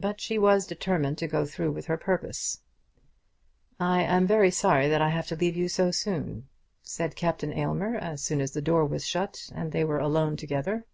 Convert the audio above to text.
But she was determined to go through with her purpose. "I am very sorry that I have to leave you so soon," said Captain Aylmer as soon as the door was shut and they were alone together.